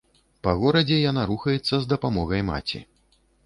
Па горадзе яна рухаецца з дапамогай маці.